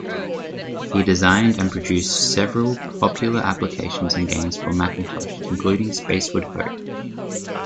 He designed and produced several popular applications and games for Macintosh, including Spaceward Ho!